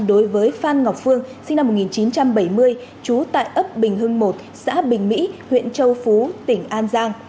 đối với phan ngọc phương sinh năm một nghìn chín trăm bảy mươi trú tại ấp bình hưng một xã bình mỹ huyện châu phú tỉnh an giang